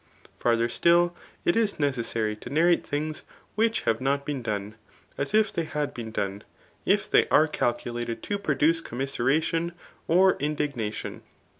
Farther still, it is necessary tQ narrate things which have not been done, as if they had been done, if they are calculated to produce commisem tion or indignation.